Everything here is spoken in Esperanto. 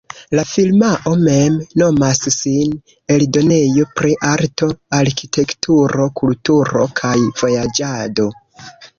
La firmao mem nomas sin "eldonejo pri arto, arkitekturo, kulturo kaj vojaĝado".